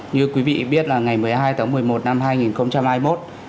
như quý vị biết là ngày một mươi hai tháng một mươi một năm hai nghìn hai mươi một